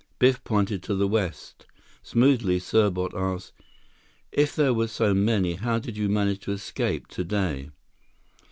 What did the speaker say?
Biff pointed to the west. Smoothly, Serbot asked, "If there were so many, how did you manage to escape today?"